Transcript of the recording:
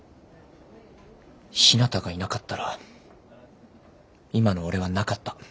ひなたがいなかったら今の俺はなかった。